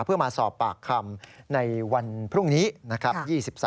เพื่อมาสอบปากคำในวันพรุ่งนี้นะครับ